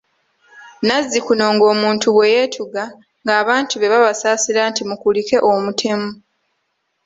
Nazzikuno nga omuntu bwe yeetuga nga abantu be babasaasira nti mukulike omutemu.